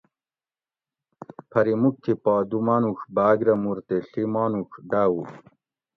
پھری مُوک تھی پا دوُ مانوڄ بھاۤگ رہ مور تے ڷی مانوڄ ڈاۤوو